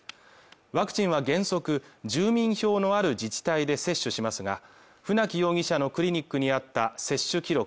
ワクチンは原則住民票のある自治体で接種しますが船木容疑者のクリニックにあった接種記録